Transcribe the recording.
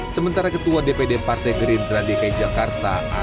sementara ketua dpd partai gerindra dki jakarta ari zapantria merespon secara normatif